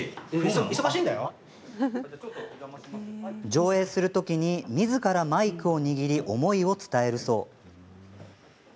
上映するときにみずからマイクを握り思いを伝えるそう。